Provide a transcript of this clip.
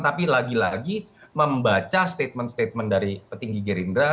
tapi lagi lagi membaca statement statement dari petinggi gerindra